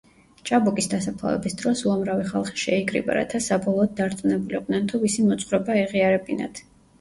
ჭაბუკის დასაფლავების დროს უამრავი ხალხი შეიკრიბა რათა საბოლოოდ დარწმუნებულიყვნენ თუ ვისი მოძღვრება ეღიარებინათ.